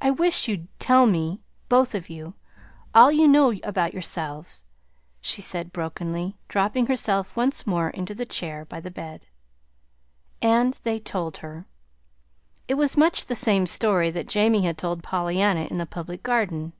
"I wish you'd tell me both of you all you know about yourselves," she said brokenly, dropping herself once more into the chair by the bed. And they told her. It was much the same story that Jamie had told Pollyanna in the Public Garden.